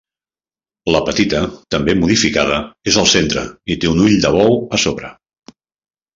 La petita, també modificada, és al centre i té un ull de bou a sobre.